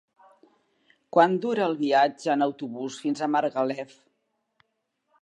Quant dura el viatge en autobús fins a Margalef?